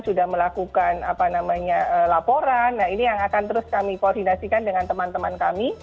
sudah melakukan laporan nah ini yang akan terus kami koordinasikan dengan teman teman kami